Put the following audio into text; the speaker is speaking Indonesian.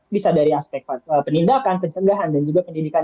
bisa dari aspek penindakan pencegahan dan juga pendidikan